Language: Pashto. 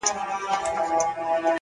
• په دعا سو د امیر او د خپلوانو,